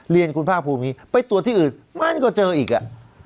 เรียนคุณภาคภูมินี้ไปตรวจที่อื่นมันก็เจออีกอ่ะ